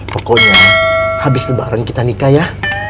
pokoknya abis lebaran kita nikah yah